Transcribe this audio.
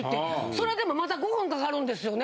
それでもまだ５分かかるんですよね。